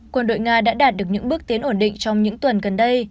quân đội nga đã đạt được những bước tiến ổn định trong những tuần gần đây